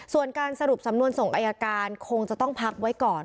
ส่วนการสรุปสำนวนส่งอายการคงจะต้องพักไว้ก่อน